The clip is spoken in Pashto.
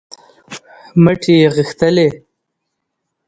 مټې یې غښتلې